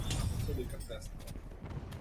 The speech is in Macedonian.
Како се вика песнава?